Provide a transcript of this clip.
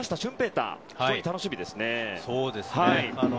大非常に楽しみですね。